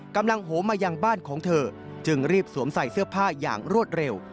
โหมายังบ้านของเธอจึงรีบสวมใส่เสื้อผ้าอย่างรวดเร็ว